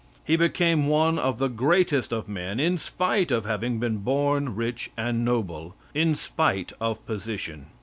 He became one of the greatest of men in spite of having been born rich and noble in spite of position.